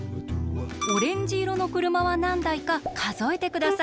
オレンジいろの車はなんだいかかぞえてください。